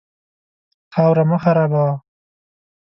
خاوره مه خرابوه.